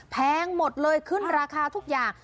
แพงหมดเลยขึ้นราคาทุกอย่าง